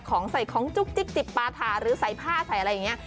ของใส่ของจุ๊กจิ๊กจิบปาถาหรือใส่ผ้าใส่อะไรอย่างนี้